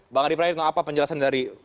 bang arief pratun apa penjelasan dari